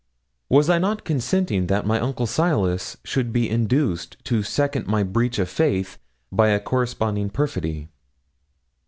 Was I not consenting that my Uncle Silas should be induced to second my breach of faith by a corresponding perfidy?